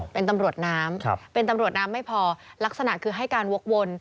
เป็นตำรวจน้ำเป็นตำรวจน้ำไม่พอลักษณะคือให้การวกวน